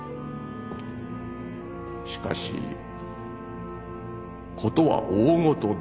しかし事は大ごとだ。